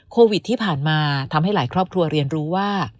โควิดที่ผ่านมาทำให้หลายครอบครัวเรียนรู้ว่า